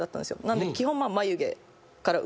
なので基本。